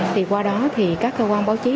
thì qua đó thì các cơ quan báo chí